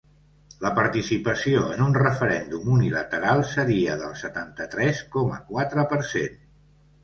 La participació en un referèndum unilateral seria del setanta-tres coma quatre per cent.